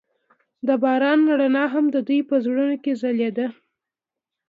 د باران رڼا هم د دوی په زړونو کې ځلېده.